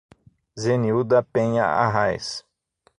Zenilda Penha Arraes